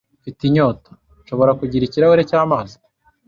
Mfite inyota. Nshobora kugira ikirahure cy'amazi?